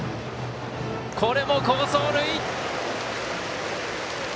これも好走塁。